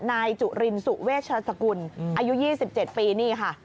นายจุรินสุเวชสกุลอายุ๒๗ปีนี่ค่ะ